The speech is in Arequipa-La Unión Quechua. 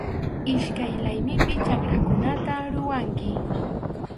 Iskay laymipi chakrakunata ruranki.